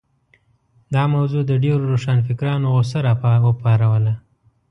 دا موضوع د ډېرو روښانفکرانو غوسه راوپاروله.